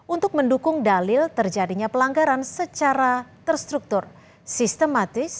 untuk mendukung dalil terjadinya pelanggaran secara terstruktur sistematis